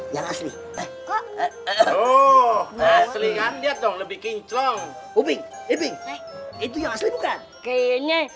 yang asli asli kan dia dong lebih kinclong ubing ubbing itu yang asli bukan kayaknya